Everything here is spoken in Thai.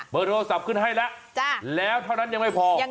โทรศัพท์ขึ้นให้แล้วแล้วเท่านั้นยังไม่พอ